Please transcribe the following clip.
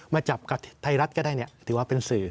มาจับกับไทยรัฐก็ได้ถือว่าเป็นสื่อ